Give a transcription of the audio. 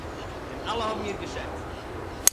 און אַלע האָבן איר געשעצט